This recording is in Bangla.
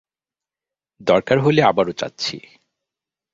দরকার হলে আবারও চাচ্ছি।